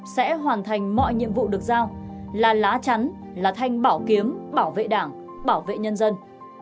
sẽ hoàn thành mọi nhiệm vụ được giao là lá chắn là thanh bảo kiếm bảo vệ đảng bảo vệ nhân dân